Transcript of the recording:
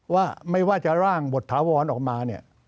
ว่าไม่ว่าจะร่างบทธาวรออกมา